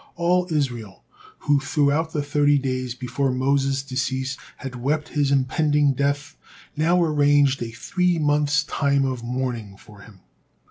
All Israel who, throughout thirty days before Moses' decease, had wept his impending death now arranged a three months' time of mourning for him.